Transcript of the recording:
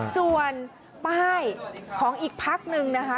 ส่วนป้ายของอีกพักหนึ่งนะคะ